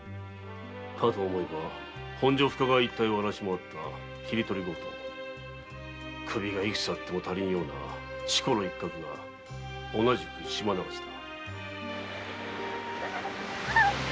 かと思えば本所一帯を荒らしまわった斬り取り強盗首が幾つあっても足りんような錣一角が同じく島流しだ。